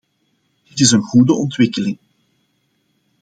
Dit is een goede ontwikkeling.